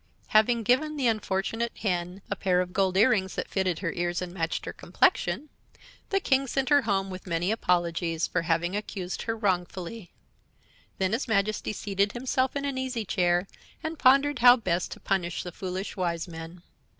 Having given the unfortunate Hen a pair of gold earrings that fitted her ears and matched her complexion, the King sent her home with many apologies for having accused her wrongfully. Then his Majesty seated himself in an easy chair, and pondered how best to punish the foolish Wise Men.